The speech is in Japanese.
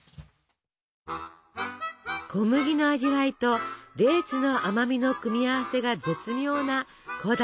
小麦の味わいとデーツの甘みの組み合わせが絶妙な古代のパンクック。